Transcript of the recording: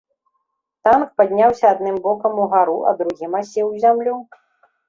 Танк падняўся адным бокам угару, а другім асеў у зямлю.